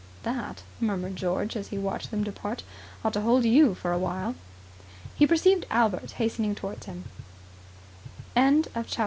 "That," murmured George, as he watched them depart, "ought to hold you for a while!" He perceived Albert hastening towards him. CHAPTER 13. Albert was in a hurry.